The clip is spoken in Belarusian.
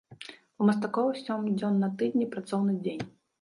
У мастакоў сем дзён на тыдні працоўны дзень.